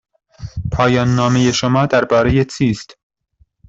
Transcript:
پایان نامه شما درباره چیست؟